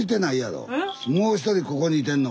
もう１人ここにいてんの。